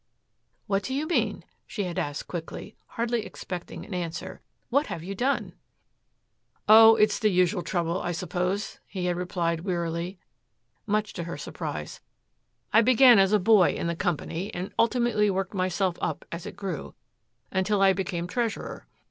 "What do you mean?" she had asked quickly, hardly expecting an answer. "What have you done?" "Oh, it is the usual trouble, I suppose," he had replied wearily, much to her surprise. "I began as a boy in the company and ultimately worked myself up as it grew, until I became treasurer.